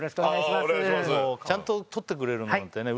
ちゃんと撮ってくれるのってね